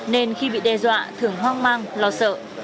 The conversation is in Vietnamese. nên khi bị đe dọa thường hoang mang lo sợ